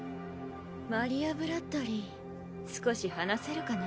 マリア＝ブラッドリィ少し話せるかな？